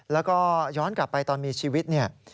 แล้วก็ย้อนกลับไปตอนมีชีวิตเนี่ย